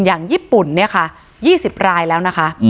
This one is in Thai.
อย่างญี่ปุ่นเนี่ยค่ะ๒๐รายแล้วนะคะ